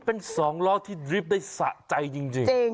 เป็น๒ล้อที่ดริฟท์ได้สะใจจริง